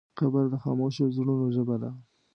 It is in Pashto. قبر د خاموشو زړونو ژبه ده.